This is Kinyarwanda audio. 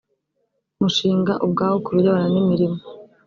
mushinga ubwawo ku birebana n imirimo